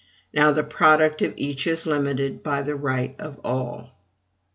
Now, the product of each is limited by the right of all.